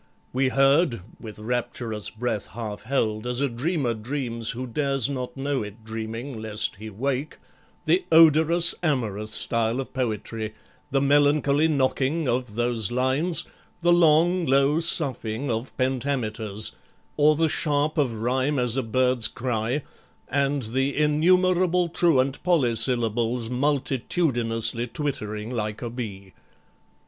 We heard With rapturous breath half held, as a dreamer dreams Who dares not know it dreaming, lest he wake The odorous, amorous style of poetry, The melancholy knocking of those lines, The long, low soughing of pentameters, Or the sharp of rhyme as a bird's cry And the innumerable truant polysyllables Multitudinously twittering like a bee.